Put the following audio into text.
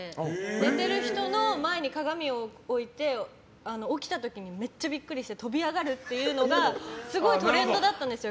寝てる人の前に鏡を置いて起きた時にめっちゃビックリして飛び上がるっていうのがすごいトレンドだったんですよ